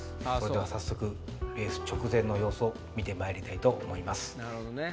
早速レース直前の様子を見てまいりたいと思います。